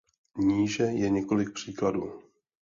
Níže je několik příkladů.